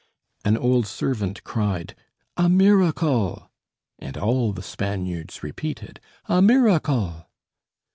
An old servant cried: "A miracle!" And all the Spaniards repeated: "A miracle!"